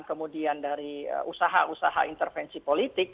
kemudian dari usaha usaha intervensi politik